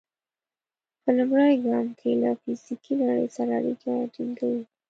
په لومړي ګام کې له فزیکي نړۍ سره اړیکه ټینګوو.